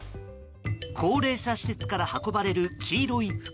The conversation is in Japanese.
高齢者施設から運ばれる黄色い袋。